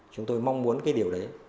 chúng tôi mong muốn cái điều đấy